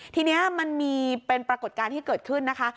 ทีนี้มันมีเป็นปรากฏการณ์ที่เกิดขึ้นนะคะ